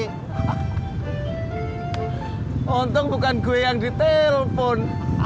hai onteng bukan gue yang ditelepon